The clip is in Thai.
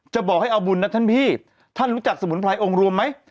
บอกให้เอาบุญนะท่านพี่ท่านรู้จักสมุนไพรองค์รวมไหม